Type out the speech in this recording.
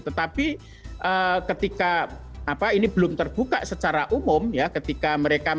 tetapi ketika ini belum terbuka secara umum ya ketika mereka